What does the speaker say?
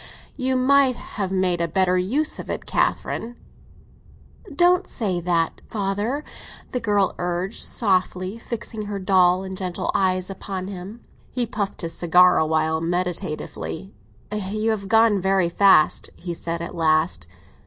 "You might have made a better use of it, Catherine." "Please don't say that, father," the girl urged softly, fixing her dull and gentle eyes upon him. He puffed his cigar awhile, meditatively. "You have gone very fast," he said at last.